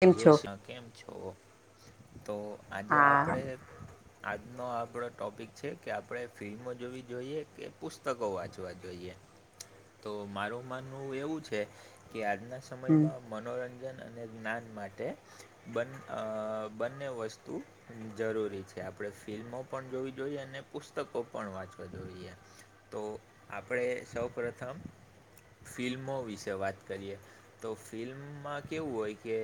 કેમ જે છો શ્યાંમ કેમ છો? તો આજે હા આપડે આજનો આપડો ટોપિક છે કે આપડે ફિલ્મો જોવી જોઈએ કે પુસ્તકો વાંચવા જોઈએ. તો મારું માનવુ એવું છે કે આજના હમ સમય માં [unintelligible] મનોરંજન અને જ્ઞાન માટે બ અ બંને વસ્તુ જરૂરી છે આપણે ફિલ્મો પણ જોવી જોઈએ અને પુસ્તકો પણ વાંચવા જોઈએ. તો આપણે સૌ પ્રથમ ફિલ્મો વિશે વાત કરીએ તો ફિલ્મમાં કેવું હોય કે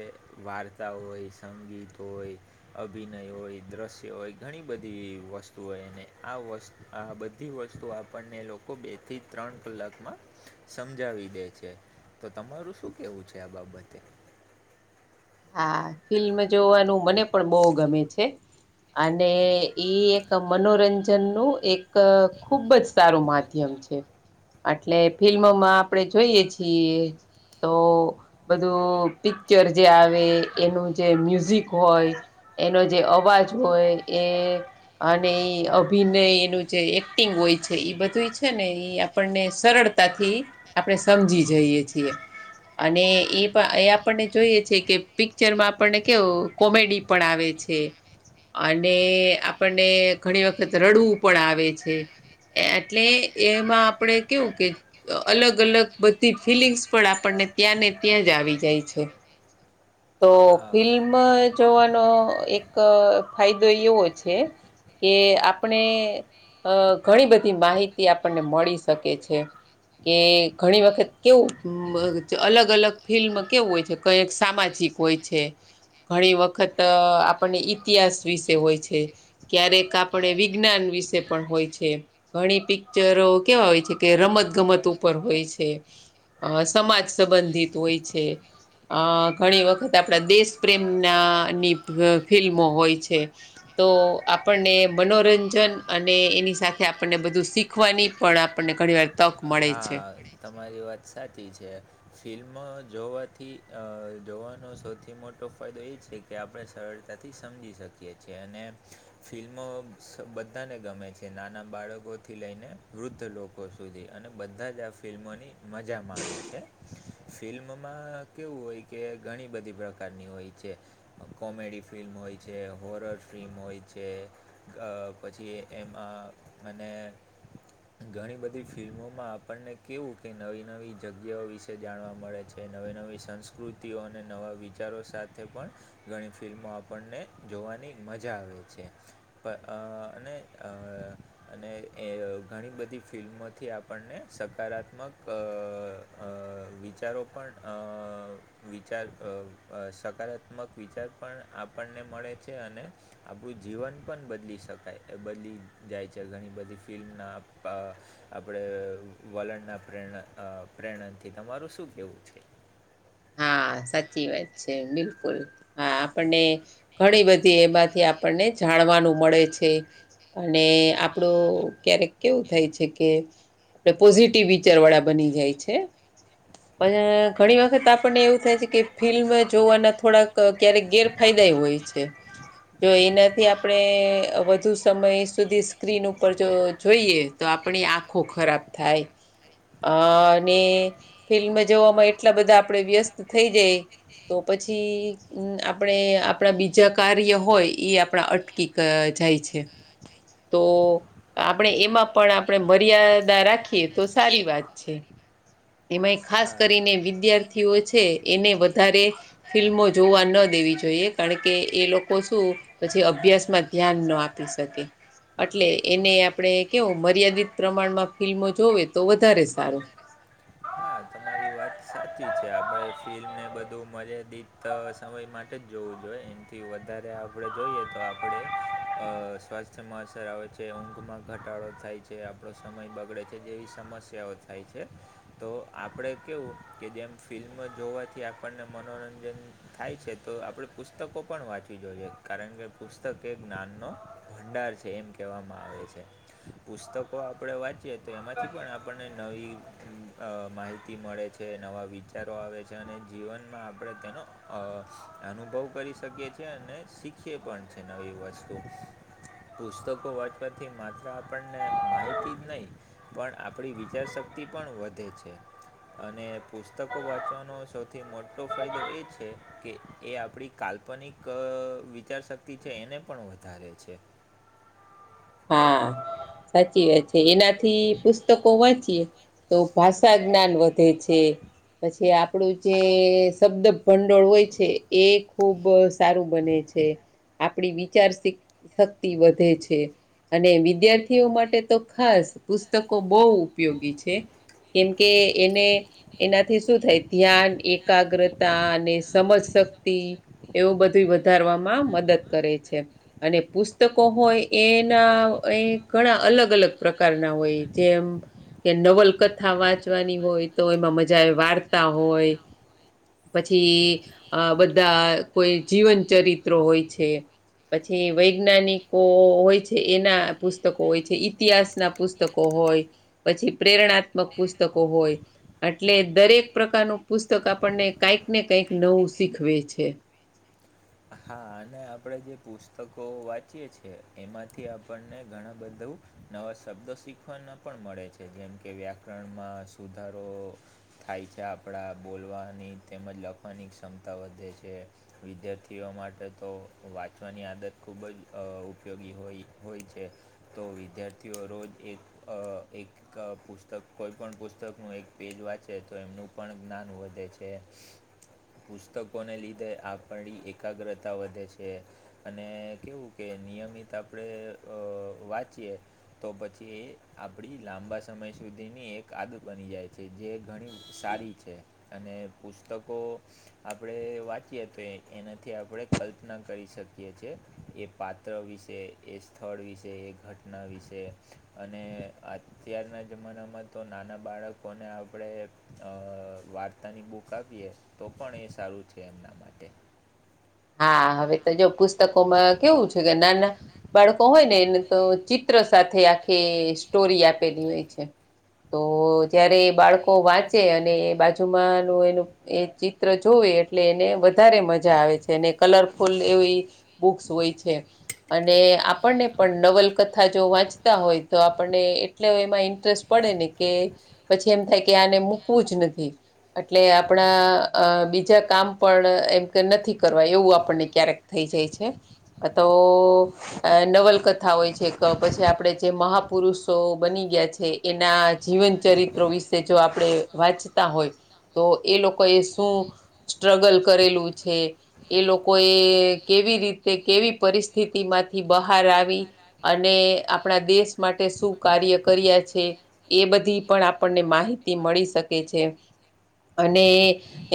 વાર્તા હોય, સંગીત હોય અભિનય હોય, દ્રશ્ય હોય ઘણી બધી વસ્તુ હોય અને આ વસ્ આ બધી વસ્તુ આપણને લોકો બે થી ત્રણ કલાકમાં સમજાવી દે છે, તો તમારું શું કેવું છે આ બાબતે? હા ફિલ્મ જોવાનું મને પણ બહુ ગમે છે. અને એક મનોરંજનનું એક ખુબ જ સારું માધ્યમ છે. એટલે ફિલ્મોમાં આપણે જોઈએ છીએ. તો બધું પિક્ચર જે આવ એ એનું જે મ્યુઝિક હોય એનો જે અવાજ હોય એ અને એ અભિનય એનું જે એક્ટિંગ હોય છે એ બધું છે ને એ આપણને સરળતાથી આપણે સમજી જઈએ છીએ. અને એ પણ એ આપણને જોઈએ છે કે પિક્ચર માં આપણને કેવું કોમેડી પણ આવે છે. અને આપણને ઘણી વખત રડવું પણ આવે છે. એટલે એમાં આપણેે કેવું કે અલગ અલગ બધી ફિલિંગ્સ પણ આપણને ત્યાં ને ત્યાં જ આવી જાય છે. તો હા ફિલ્મ જોવાનો એક ફાયદો એવો છે. કે આપણે અ ઘણી બધી માહિતી આપણને મળી શકે છે. કે ઘણી વખત કેવું અલગ અલગ ફિલ્મ કેવું હોય છે, તો કઈક સામાજિક હોય છે, ઘણી વખત આપણને ઇતિહાસ વિશે હોય છે. ક્યારેક આપણે વિજ્ઞાન વિશે પણ હોય છે. ઘણી પિક્ચરો કેવા હોય છે, કે રમત ગમત ઉપર હોય છે. અ સમાજ સંબંધિત હોય છે, આ ઘણી વખત આપણા દેશ પ્રેમ ના નીભ ફિલ્મો હોય છે. તો આપણને મનોરંજન, અને એની સાથે આપણને બધું શીખ શીખવાની પણ આપણને ઘણીવાર તક મળે છે હા તમારી વાત સાચી છે. ફિલ્મ જોવાથી અ જોવાનો સૌથી મોટો ફાયદો એ છે ક કે આપણે સરળતાથી સમજી શકીએ છીએ, અને ફિલ્મો સ બધાને ગમે છે, નાના બાળકોથી લઈને વૃદ્ધ લો કો સુધી અને બધા જ આ ફિલ્મોની મજા માણે છે, ફિલ્મમાં કેવું હોય કે ઘણી બધી પ્રક કારની હોય છે, કોમેડી ફિલ્મ હોય છે, હોરર ફિલ્મ હોય છે. અ પછી એમાં અને ઘણી બધી ફિલ્મોમાં આપણને કેવું કે નવી નવી જગ્યાઓ વિશે જાણવા મળે છે, નવી નવી સંસ્કૃતિઓ, અને નવા વિચારો સાથ થે પણ ઘણી ફિલ્મો આપણને જોવાની મજા આવે છે. ત અ ને અ અને એ ઘણી બધી ફિલ્મોથી આપણને સ હકારાત્મક અ અ વિચારો પણ અ વિચાર અ અ સકારાત્મક વિચાર પણ આપણને મળે છે, અને આપણું જીવન પણ બદલી શકાય, બદલી જાય છે, ઘણી બધી ફિલ્મના અ આપણે વલણના પ્રેમના પ્રેણથી તમારું શું કેવું છે? હા સાચી વાત છે, બિલકુલ હા આપણને ઘણી બધી એમાંથી આપણને જાણવાનું મળે છે. અને આપણું ક્યારેક કેવું થાય છે કે આપણે પોઝિટિવ વિચાર વાળા બની જાય છે, પણ ઘણી વખત આપ પણને એવું થાય છે, કે ફિલ્મ જોવાના થોડાક ક્યારેક ગેરફાયદા એ હોય છે. જો એનાથી આપણે વધુ સમય સુધી સ્ક્રીન ઉપર જો જોઈએ તો આપણી આંખો ખરાબ થાય. અને ફિલ્મ જોવામાં એટલા બધા આપણે વ્યસ્ત થઈ જાય. તો પછી હમ્મ, આપડે આપડા બીજા કર્યા હોય, ઈ આપણા અટકીક જાય છે. તો તો આપણે એમાં પણ આપણે મર્યાદા રાખીએ તો સારી વાત છે. હા કરીને વિદ્યાર્થીઓ છે એને વધારે ફિલ્મો જોવા ન દેવી જોઈએ કારણ કે એ લોકો શું પછી અભ્યાસમાં ધ્યાન નથી શકે એટલે એને આપણે કેવું મર્યાદિત પ્રમાણમાં ફિલ્મો જોવે તો વધારે એમાંય ખાસ કરીને વિદ્યાર્થીઓ છે એને વધારે ફિલ્મો જોવા ન દેવી જોઈએ. કારણ કે એ લોકો શું પછી અભ્યાસમાં ધ્યાન ન આપી શકે. અટલે એને આપણે કેવું? મર્યાદિત પ્રમાણમાં ફિલ્મો જોવે તો વધારે સારું. સારું હા તમારી વાત સાચી છે, આપડે ફિલ્મ ને એ બધું મર્યાદિત સમય માટે જ જોવું જોઈએ, એનાથી વધારે આપણે જોઈએ તો આપડે અહ સ્વસ્થ થ્યમાં અસર આવે છે, ઊંઘમાં ઘટાડો થાય છે, આપણો સમય બગડે છે, જેવી સમસ્યાઓ થાય છે. તો આપડે કેવુ કે જેમ ફિલ્મ જોવાથી આપણને મનોરંજન થાય છે તો આપણે પુસ્તકો પણ વાંચવી જોઈએ. કારણ કે પુસ્તક એ જ્ઞાનનો ભંડાર છે એમ કહેવામાં આવે છે. પુસ્તકો આપણે વાંચ ચીએ, તો એમાંથી પણ આપણને નવી અહ માહિતી મળે છે, નવા વિચારો આવે છે. અને જીવનમાં આપણે તેનો અનુભવ કરી શકીએ છીએ, અને શીખીએ પણ છે નવી વસ્તુ. પુસ્તકો વાંચવાથી માત્ર આપણને માહિતી જ નહીં પણ આપણી વિચારશક્તિ પણ વધે છે. અને પુસ્તકો વાંચવાનો સૌથી ફાયદો એ છે, કે એ આપણી કાલ્પ લ્પનિક વિચારશક્તિ છે, એને પણ વધારે છે. હા સાચી વાત છે. એનાથી પુસ્તકો વાંચીએ તો ભાષા જ્ઞાન વધે છે. પછી આપણું જે શબ્દ ભંડોળ હોય છે, એ ખૂબ સારું બને છે. આપણી વિચાર શીખ શક્તિ વધે છે. અને વિદ્યાર્થીઓ માટે તો ખાસ પુસ્તકો બહુ ઉપયોગી છે. કેમ કે, એને એનાથી શું થાય? ધ્યાન, એકાગ્રતા અને સમજશક્તિ એવું બધુંઈ વધારવામાં મદદ કરે છે. અને પુસ્તકો હોય એ ના અહીં ઘણા અલગ-અલગ પ્રકાર ના હોય. જેમ કે નવલકથા વાંચવાની હોય, તો એમાં મજા આવે. વાર્તા હોય પછી આ બધા કોઈ જીવન ચરિત્રો હોય છે. પછી વૈજ્ઞાનિકો હોય છ છે એના પુસ્તકો હોય છે. ઇતિહાસ ના પુસ્તકો હોય. પછી પ્રેરણાત્મક પુસ્તકો હોય. અટલે દરેક પ્રકારનું પુસ્તક આપણને કાંઈક ને કાંઈક નવું શીખવે છે. હા. અને આપણે જે પુસ્તકો વાંચીએ છીએ, એમાંથી આપણને ઘણું બધું નવા શબ્દો શીખવાના પણ મળે છે. જેમ કે વ્યાકરણમાં સુધારો થાય છે. આપણા બોલવાની તેમજ લખવાની ક્ષમતા વધે છે. વિદ્યાર્થી ર્થીઓ માટે તો વાંચવાની આદત ખૂબ જ અહ ઉપયોગી હોય-હોય છે. તો વિદ્યાર્થીઓ રોજ એક અહ એક ક પુસ્તક, કોઈ પણ પુસ્તકનું એક પેજ વાંચે તો એમનું પણ જ્ઞાન વધે છે. પુસ્તકોને લીધે આપણી એકાગ્રતા વધે છે. અને કેવું કે નિયમિત આપણે અહ વાંચીએ તો પછી આપણી લાંબા સમય સુધીની એક આદત બની જાય છે. જે ઘણી સારી છે. અને પુસ્તકો આપણે વાંચીએ તો એક એને થી આપણે કલ્પના કરી શકીએ છીએ. એ પાત્ર વિશે, એ સ્થળ વિશે, એ ઘટ ના વિશે. અને આજ અત્યારના જમાનામાં તો નાના બાળકોને આપણે અહ વાર્તાની બુક આપીએ તો પણ એ સારું જ છે એમના માટે. હા. હવે તો જો પુસ્તકોમાં કેવું છે, કે નાના બાળકો હોય ને એને તો ચિત્ ત્ર સાથે આખી સ્ટોરી આપેલી હોય છે. તો જયારે એ બાળકો વાંચે અને એ બાજુમાંનું એનું એ ચિત્ર જોવે એટલે એને વધારે મજા આવે છ. કલરફુલ એવી બુક્સ હોય છે. અને આપણને પણ નવલકથા જો વાંચતા હોય તો આપણને એટલો એમાં ઇન્ટરેસ્ટ પડે ને, કે પછી એમ થાય કે આને મૂકવું જ નથી. એટલે આપણા અ બીજા કામ પણ એમ કે નથી કરવા એવું આપણને ક્યારેક થઈ જાય છે અ તો અ નવલકથા હોય છે ક પછી આપડે જે મહાપુરુષો બની ગયા છે. એના જીવન ચરિત્રો વિશે જો આપણે વાંચતા હોય તો એ લોકો એ શું સ્ટ્રગલ કરેલું છે. એ લોકો એ કેવી રીતે કેવી પરિસ્થિતિ માંથી બહાર આવી અને આપણા દેશ માટે શું કાર્ય કર્યા છે. એ બધી પણ આપણને માહિતી મળી શકે છે. અને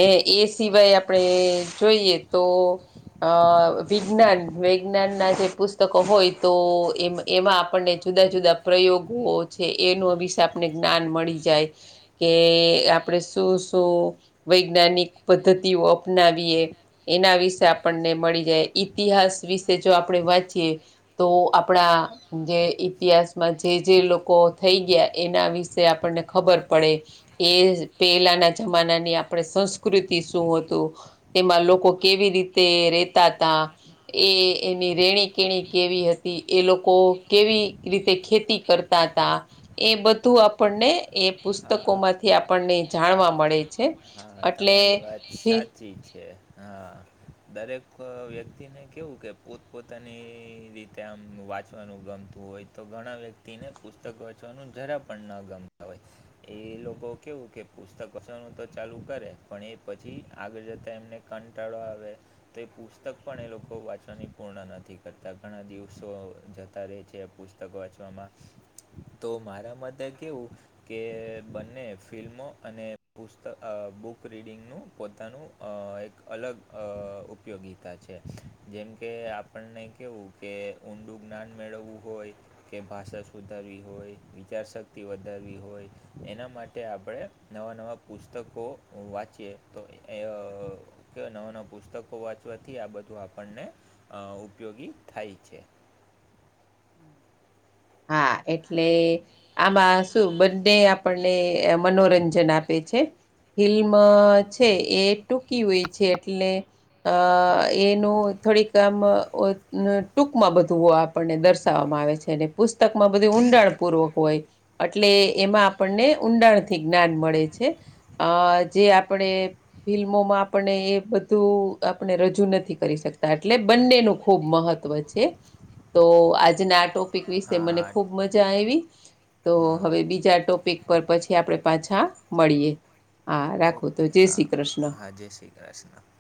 એ એ સિવાય આપણે જોઈએ તો અ વિજ્ઞાન વેજ્ઞાન ના જે પુસ્તકો હોય તો એ એમાં આપણને જુદા જુદા પ્રયોગો છે એનું વિશે આપને જ્ઞાન મળી જાય. કે આપણે શું શું વૈજ્ઞાનિક પદ્ધતિઓ અપનાવીએ. એના વિશે આપણને મળી જાય ઈતિહાસ વિશે જો આપણે વાંચીએ. તો આપણા જે ઈતિહાસમાં જે જે લોકો થઈ ગયા એના વિશે આપણને ખબર પડે. એ જ પેલાના જમાના ની આપણે સંસ્કૃતિ શું હતું તેમાં લોકો કેવી રીતે રેતા તા એ એની રેણી કેણી કેવી હતી એ લોકો કેવી રીતે ખેતી કર તા તા એ બધું આપણને એ હા પુસ્તકોમાંથી આપણને જાણવા મળે છે. હા એટલે તમારી વાત ફી સાચ છે હા દરેક વ્યક્તિને કેવું કે પોતપોતાની રી તેમ વાંચવાનું ગમતું હોય તો ઘણા વ્યક્તિને પુસ્તક વાંચવાનું જરા પણ ન ગમતા હોય. એ લોકો કેવું કે પુસ્તક વસાવાનું [unintelligible] ચાલુ કરે પણ એ પછી આગળ જતા એમને કંટાળો આવે. તો એ પુસ્તક પણ એ લોકો વાંચવાની પૂર્ણ નથી કરતા ઘણા દિવસો જતા રહે છે એ પુસ્ત તક વાચવામાં તો મારા મતે કેવું કે બંને ફિલ્મો અને અ બુક રીડિંગનું પોતાનું અ એક અલગ અ ઉપયોગિતા છે. જેમ કે આપણે કેવું કે ઊંડું જ્ઞાન મેળવવું હોય. કે ભાષા સુધારવી હોય વિચારશક્તિ વધારવી હોય. એના માટે આપણે નવા નવા પુસ્તકો વાંચીએ તો એ અ કે નવા નવાં પુસ્તકો વાંચવાથી આ બધું આપણને અ ઉપયોગી થાય છે. હા એટલે આમાં શું બંને આપણને મનોરંજન આપે છે ફિલ્મ મા છે એ ટૂકી હોય છે એટલે અ એનું થોડીક આમ ઓ ન ટૂંકમાં બધું હો આપણને દર વવામાં આવે છે અને પુસ્તકમાં બધી ઊંડાણ પૂર્વક હોય. અટલે એમાં આપણને ઊંડાણ થી જ્ઞાન મળે છે. અ જે આપણે ફિલ્મોમાં આપને એ બધું આપણે રજૂ નથી કરી શકતા એટલે બંનેનું ખૂબ મહ ત્વ છે તો આજે આ ટોપિક વિશે મને હા ખૂબ મજા આવી તો હા હવે બીજા ટોપિક ઉપર પછી આપણે પાછા મળીએ હા રાખો તો ઓકે જય હા શ્રી કૃષ્ણ હા [unintelligible]